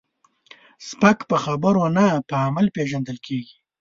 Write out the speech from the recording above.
سپک په خبرو نه، په عمل پیژندل کېږي.